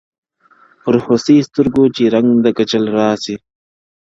پر هوسۍ سترګو چي رنګ د کجل راسي-